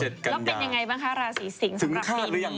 แล้วเป็นยังไงบ้างคะราศีสิงศ์สำหรับปีนี้